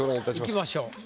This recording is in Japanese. いきましょう。